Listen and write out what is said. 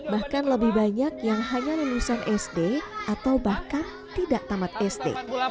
bahkan lebih banyak yang hanya lulusan sd atau bahkan tidak tamat sd